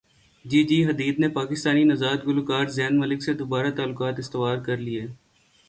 جی جی Hadid نے پاکستانی نژاد گلوکار زین ملک سے دوبارہ تعلقات استوار کرلیے